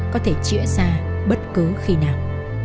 có thể trịa ra bất cứ khi nào